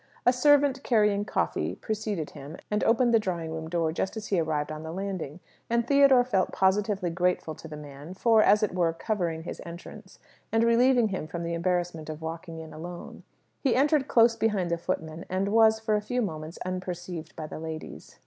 A servant carrying coffee, preceded him, and opened the drawing room door just as he arrived on the landing; and Theodore felt positively grateful to the man for, as it were, covering his entrance, and relieving him from the embarrassment of walking in alone. He entered close behind the footman, and was, for a few moments, unperceived by the ladies.